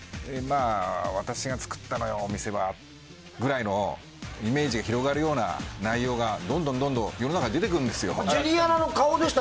私が作ったのよ、お店はくらいのイメージが広がるような内容がどんどん世の中に出るんですよ。